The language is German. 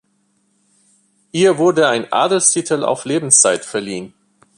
Ihr wurde ein Adelstitel auf Lebenszeit verliehen.